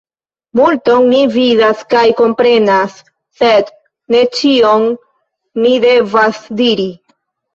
Multon mi vidas kaj komprenas, sed ne ĉion mi devas diri.